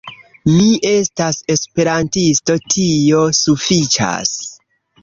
Mi estas Esperantisto, tio sufiĉas.